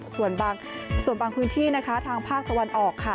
ส่วนบางพื้นที่ทางภาคตะวันออกค่ะ